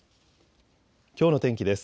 きょうの天気です。